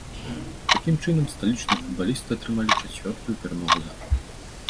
Такім чынам, сталічныя футбалісты атрымалі чацвёртую перамогу запар.